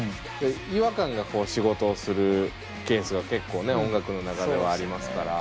違和感がこう仕事をするケースが結構ね音楽の中ではありますから。